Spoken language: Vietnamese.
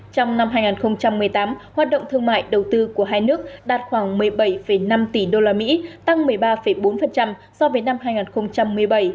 trong năm hai nghìn một mươi tám hoạt động thương mại đầu tư của hai nước đạt khoảng một mươi bảy năm tỷ usd tăng một mươi ba bốn so với năm hai nghìn một mươi bảy